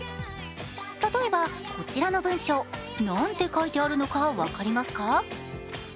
例えばこちらの文章、何て書いてあるのか分かりますか？